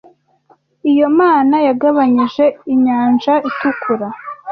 Iyo Mana yagabanyije inyanja itukura